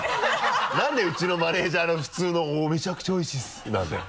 なんでうちのマネジャーの普通の「めちゃくちゃおいしいです」なんだよ。